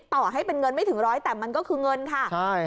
ต่อให้เป็นเงินไม่ถึงร้อยแต่มันก็คือเงินค่ะ